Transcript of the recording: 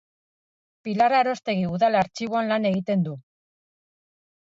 Pilar Arostegi Udal Artxiboan lan egiten du.